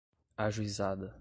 ajuizada